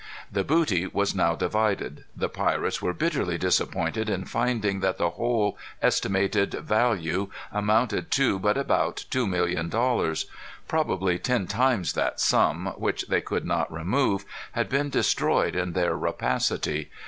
The booty was now divided. The pirates were bitterly disappointed in finding that the whole estimated value amounted to but about two million dollars. Probably ten times that sum, which they could not remove, had been destroyed in their rapacity.